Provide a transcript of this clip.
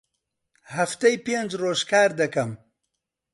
هەفتەی پێنج ڕۆژ کار دەکەم.